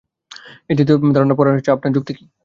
এই জাতীয় ধারণা হবার পেছনে আপনার যুক্তি কী?